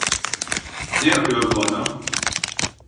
Ne yapıyor bu adam?